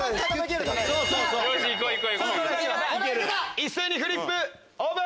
一斉にフリップオープン！